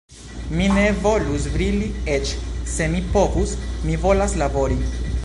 Mi ne volus brili, eĉ se mi povus; mi volas labori.